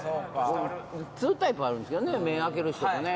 ツータイプあるんですけどね目開ける人とね。